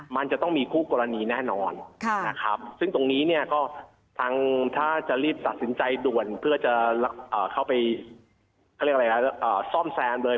มันจะต้องมีคู่กรณีแน่นอนนะครับซึ่งตรงนี้เนี่ยก็ทางถ้าจะรีบตัดสินใจด่วนเพื่อจะเข้าไปเขาเรียกอะไรนะซ่อมแซมเลย